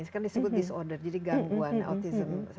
sekarang disebut disorder jadi gangguan autism